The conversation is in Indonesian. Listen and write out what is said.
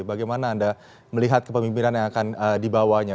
bagaimana anda melihat kepemimpinan yang akan dibawanya